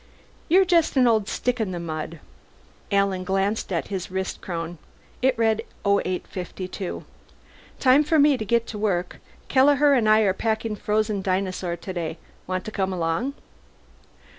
"You're just an old stick in the mud." Alan glanced at his wristchron. It read 0852. "Time for me to get to work. Kelleher and I are packing frozen dinosaur today. Want to come along?"